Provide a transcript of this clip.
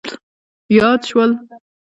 یاد شول.